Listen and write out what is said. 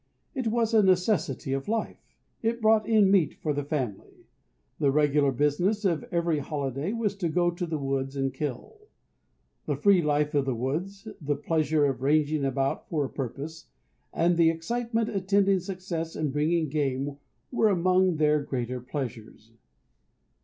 It was a necessity of life. It brought in meat for the family. The regular business of every holiday was to go to the woods and kill. The free life of the woods, the pleasure of ranging about for a purpose, and the excitement attending success in bagging game were among their greater pleasures.